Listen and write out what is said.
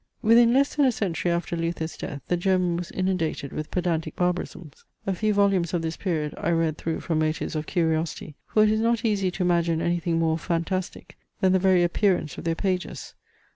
Within less than a century after Luther's death the German was inundated with pedantic barbarisms. A few volumes of this period I read through from motives of curiosity; for it is not easy to imagine any thing more fantastic, than the very appearance of their pages.